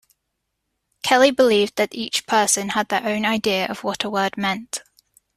Kelly believed that each person had their own idea of what a word meant.